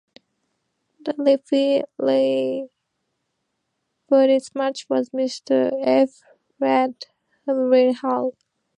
The referee for this match was Mr F Read of Willenhall.